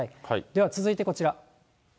では続いてこちら。